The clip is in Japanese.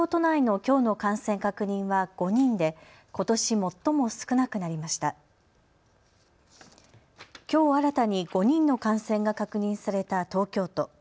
きょう新たに５人の感染が確認された東京都。